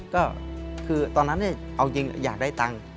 ก็คือตอนนั้นเอาจริงอยากได้ตังค์